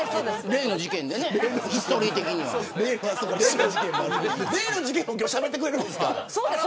例の事件も今日しゃべってくれるんですか。